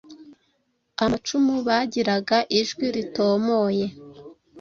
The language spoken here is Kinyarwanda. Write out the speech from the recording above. amacumu bagiraga ijwi ritomoye,...